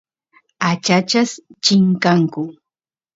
achachas chinkanku